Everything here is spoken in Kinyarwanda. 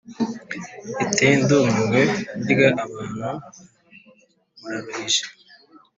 iti "ndumiwe burya abantu muraruhije.